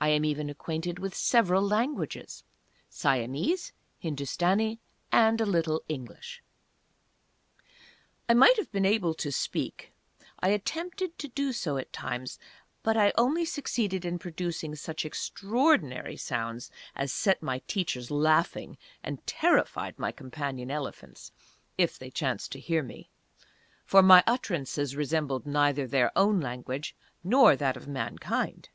I am even acquainted with several languages; Siamese, Hindustani, and a little English. I might have been able to speak; I attempted to do so at times; but I only succeeded in producing such extraordinary sounds as set my teachers laughing, and terrified my companion elephants, if they chanced to hear me; for my utterances resembled neither their own language nor that of mankind!